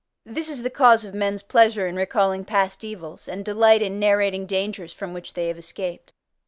This is the cause of men's pleasure in recalling past evils, and delight in narrating dangers from which they have escaped.